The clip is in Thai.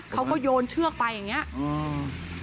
เขาก็โยนเชือกไปอย่างเงี้อืม